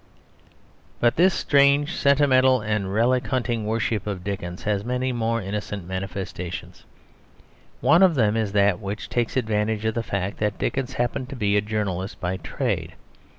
But this strange sentimental and relic hunting worship of Dickens has many more innocent manifestations. One of them is that which takes advantage of the fact that Dickens happened to be a journalist by trade.